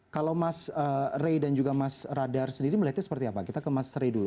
kalau mas rey dan juga mas radar sendiri melihatnya seperti apa kita ke mas ray dulu